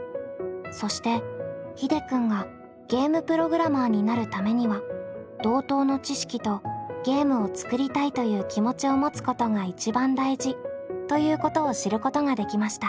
そしてひでくんがゲームプログラマーになるためには同等の知識とゲームを作りたいという気持ちを持つことが一番大事ということを知ることができました。